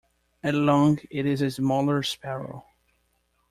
At long, it is a smaller sparrow.